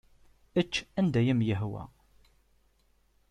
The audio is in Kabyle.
Ečč anda ay am-yehwa.